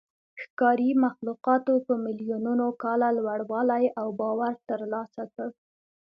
ښکاري مخلوقاتو په میلیونونو کاله لوړوالی او باور ترلاسه کړ.